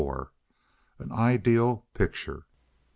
An Ideal Picture.